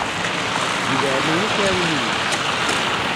Di leɛnaya-k ɛawen-iyi.